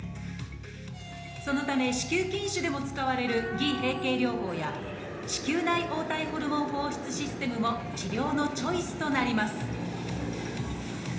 そのため子宮筋腫でも使われる偽閉経療法や子宮内黄体ホルモン放出システムも治療のチョイスとなります